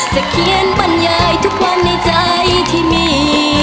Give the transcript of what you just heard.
เขียนบรรยายทุกวันในใจที่มี